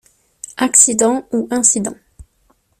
Accident ou Incident